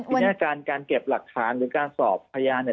ทีนี้การการเก็บหลักฐานหรือการสอบพยานเนี่ย